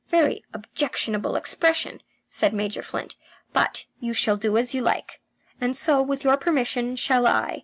"Very objectionable expression," said Major Flint. "But you shall do as you like. And so, with your permission, shall I.